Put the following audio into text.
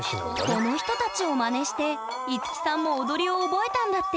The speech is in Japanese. この人たちをマネして樹さんも踊りを覚えたんだって！